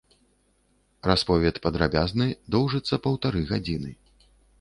Расповед падрабязны, доўжыцца паўтары гадзіны.